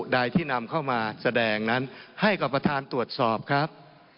ใดที่นำเข้ามาแสดงนั้นให้กับประธานตรวจสอบครับ